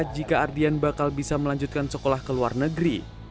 jika ardian bakal bisa melanjutkan sekolah ke luar negeri